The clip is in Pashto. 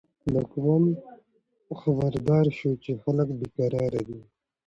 واکمن خبردار شو چې خلک بې قرار دي.